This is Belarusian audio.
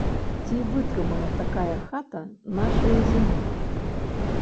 Ці вытрымае такая хата нашыя зімы?